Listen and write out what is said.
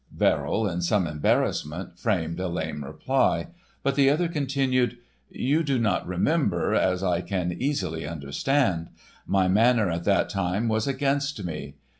Verrill in some embarrassment, framed a lame reply; but the other continued: "You do not remember, as I can easily understand. My manner at that time was against me.